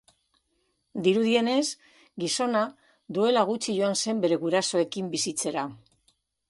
Dirudienez, gizona duela gutxi joan zen bere gurasoekin bizitzera.